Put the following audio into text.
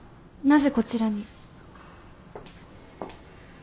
なぜこちらに？